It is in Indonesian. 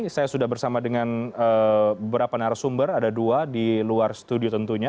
saya sudah bersama dengan beberapa narasumber ada dua di luar studio tentunya